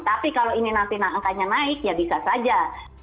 tapi kalau ini nanti angkanya naik ya bisa saja